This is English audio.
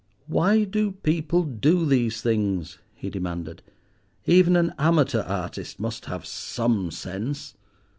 "Why do people do these things?" he demanded. "Even an amateur artist must have some sense.